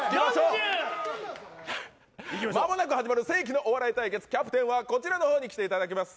間もなく始まる世紀のお笑い対決キャプテンはこちらの方に来てもらいます。